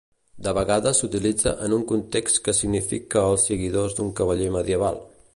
De vegades s'utilitza en un context que significa els seguidors d'un cavaller medieval.